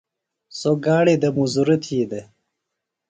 سوۡ گاڑیۡ دےۡ مزدُرُری تھی دےۡ۔